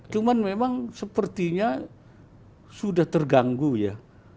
cuman memang sepertinya sudah terganggu ya